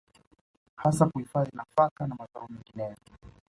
hasa kuhifadhi nafaka na mazao mengineyo